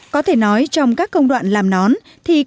có thể nói trong các công đoạn làm nón thì